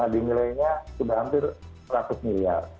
di nilainya sudah hampir seratus miliar